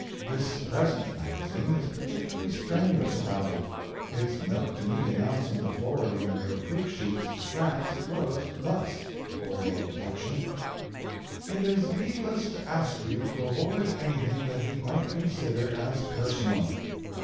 This present magazine is particularly strenuous about it. Its note to me announcing the forwarding of your proof sheets to France closed thus for your protection: "It is needless to ask you to avoid anything that he might consider as personal."